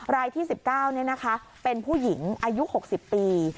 รายที่๑๙เนี่ยนะคะเป็นผู้หญิงอายุ๖๐ปี